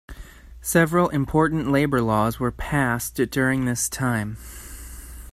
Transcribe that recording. Several important labour laws were passed during this time.